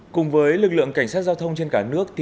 cùng với lực lượng cảnh sát giao thông trên cả nước